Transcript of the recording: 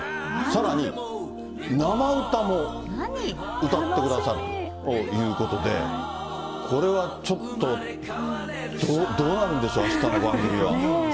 さらに、生歌も歌ってくださるということで、これはちょっと、どうなるんでしょう、あしたの番組は。